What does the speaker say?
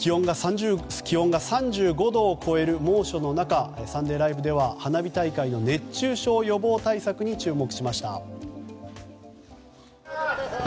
気温が３５度を超える猛暑の中「サンデーＬＩＶＥ！！」では花火大会の熱中症予防対策に注目しました。